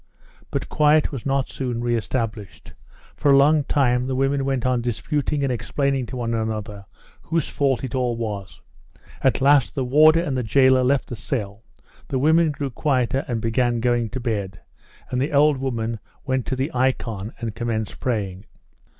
But quiet was not soon re established. For a long time the women went on disputing and explaining to one another whose fault it all was. At last the warder and the jailer left the cell, the women grew quieter and began going to bed, and the old woman went to the icon and commenced praying.